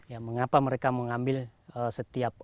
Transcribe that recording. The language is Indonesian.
ya mengapa mereka mengambil setiap penutup kalambah ini